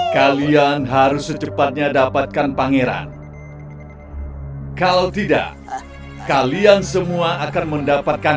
kalian harus secepatnya dapatkan pangeran kalau tidak kalian semua akan mendapatkan